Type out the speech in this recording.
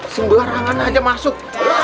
sebelah rangan aja masuk